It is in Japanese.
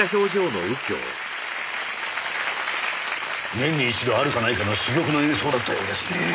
年に一度あるかないかの珠玉の演奏だったようですね。